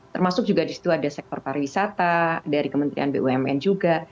termasuk juga di situ ada sektor pariwisata dari kementerian bumn juga